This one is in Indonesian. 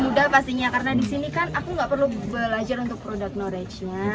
lebih mudah pastinya karena disini kan aku gak perlu belajar untuk product knowledge nya